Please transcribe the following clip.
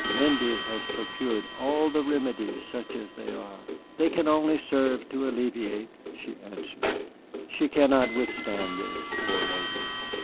Lindy has procured all the remedies, such as they are. They can only serve to alleviate," she answered. "She cannot withstand this, poor lady."